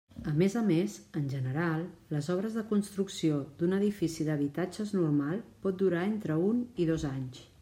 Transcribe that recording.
A més a més, en general, les obres de construcció d'un edifici d'habitatges normal pot durar entre un i dos anys.